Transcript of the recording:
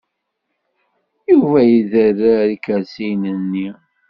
Yuba iderrer ikersiyen-nni.